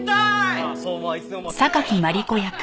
ああ相馬はいつでも待っている。